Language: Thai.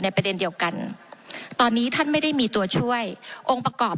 ประเด็นเดียวกันตอนนี้ท่านไม่ได้มีตัวช่วยองค์ประกอบ